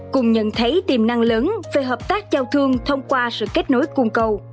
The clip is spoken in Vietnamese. cùng nhận thấy tiềm năng lớn về hợp tác giao thương thông qua sự kết nối cung cầu